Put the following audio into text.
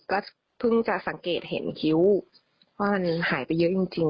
ก็เพิ่งจะสังเกตเห็นคิ้วว่ามันหายไปเยอะจริง